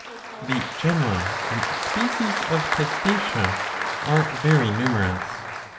The genera and species of Testacea are very numerous.